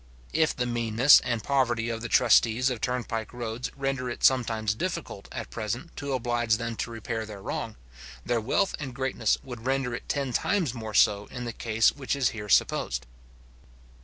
If the meanness and poverty of the trustees of turnpike roads render it sometimes difficult, at present, to oblige them to repair their wrong; their wealth and greatness would render it ten times more so in the case which is here supposed.